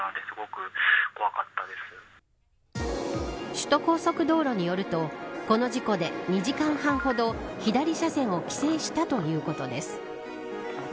首都高速道路によるとこの事故で２時間半ほど左車線を規制したということです。